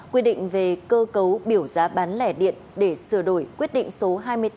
quy định về cơ cấu biểu giá bán lẻ điện để sửa đổi quyết định số hai mươi tám hai nghìn một mươi bốn